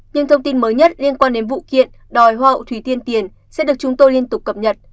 những thông tin mới nhất liên quan đến vụ kiện đòi hoa hậu thủy tiên tiền sẽ được chúng tôi liên tục cập nhật